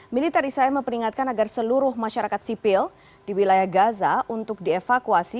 militer israel memperingatkan agar seluruh masyarakat sipil di wilayah gaza untuk dievakuasi